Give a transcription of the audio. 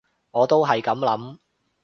我都係噉諗